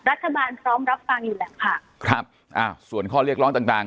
รัฐบาลพร้อมรับฟังอยู่แหละค่ะครับอ่าส่วนข้อเรียกร้องต่างต่าง